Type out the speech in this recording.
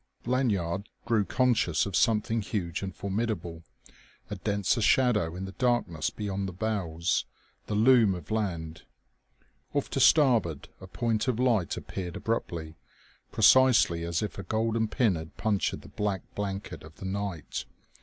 Lanyard grew conscious of something huge and formidable, a denser shadow in the darkness beyond the bows, the loom of land. Off to starboard a point of light appeared abruptly, precisely as if a golden pin had punctured the black blanket of the night.